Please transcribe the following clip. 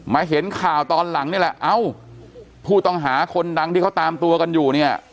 เห็นข่าวตอนหลังนี่แหละเอ้าผู้ต้องหาคนดังที่เขาตามตัวกันอยู่เนี่ย